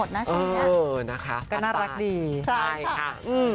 ชวนเนี้ยอือนะคะก็น่ารักดีใช่ค่ะอืม